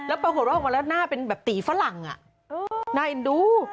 แล้วปรากฏว่าออกมาแล้วหน้าเป็นแบบตีฝรั่งน่าเอ็นดู